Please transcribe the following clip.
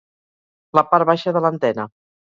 La part baixa de l'antena.